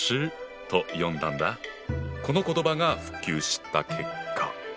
この言葉が普及した結果。